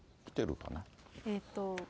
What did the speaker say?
来てるかな。